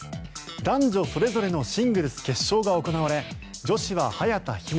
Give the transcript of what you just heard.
男女それぞれのシングルス決勝が行われ女子は早田ひな